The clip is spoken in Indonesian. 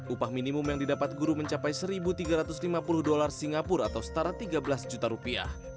upah minimum yang didapat guru mencapai satu tiga ratus lima puluh dolar singapura atau setara tiga belas juta rupiah